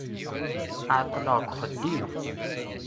Ɛeṭṭleɣ g uxeddim.